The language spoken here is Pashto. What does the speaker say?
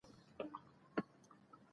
د افغانستان په منظره کې سیندونه ښکاره ده.